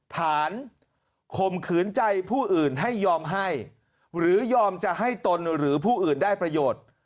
ข่มขืนใจผู้อื่นให้ยอมให้หรือยอมจะให้ตนหรือผู้อื่นได้ประโยชน์